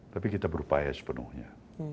tapi kita berupaya sepenuhnya